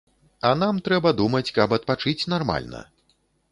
А нам трэба думаць, каб адпачыць нармальна.